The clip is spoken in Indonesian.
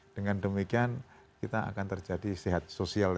dengan demikian kita akan terjadi sehat sosial